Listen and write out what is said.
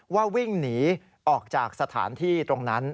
วิ่งหนีออกจากสถานที่ตรงนั้น